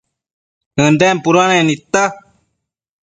ënden puduanec nidta